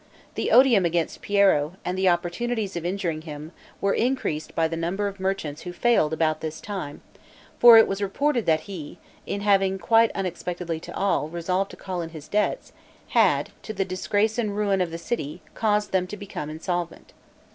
The odium against Piero, and opportunities of injuring him, were increased by the number of merchants who failed about this time; for it was reported that he, in having, quite unexpectedly to all, resolved to call in his debts, had, to the disgrace and ruin of the city, caused them to become insolvent.